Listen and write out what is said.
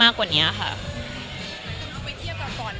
มันคิดว่าจะเป็นรายการหรือไม่มี